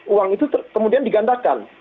uang itu kemudian digandakan